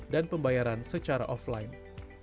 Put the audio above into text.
dan pembayaran secara offline